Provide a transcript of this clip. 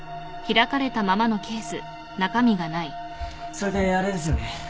それであれですよね。